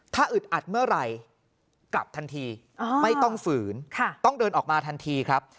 ถ้าอึดอัดเมื่อไหร่กลับทันทีไม่ต้องฝืนต้องเดินออกมาทันทีครับ